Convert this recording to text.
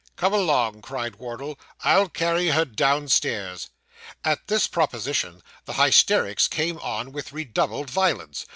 'Come along,' cried Wardle. 'I'll carry her downstairs.' At this proposition, the hysterics came on with redoubled violence.